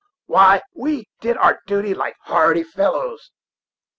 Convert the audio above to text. why, we did our duty like hearty fellows.